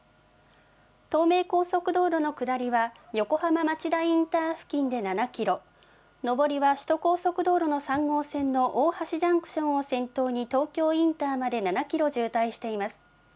東名高速道路の下りは、横浜町田インター付近で７キロ、上りは首都高速道路の３号線の大橋ジャンクションを先頭に東京インターまで７キロ渋滞しています。